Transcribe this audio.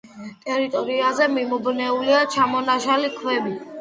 ტერიტორიაზე მიმობნეულია ჩამონაშალი ქვები.